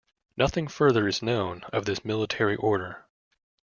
Nothing further is known of this military order.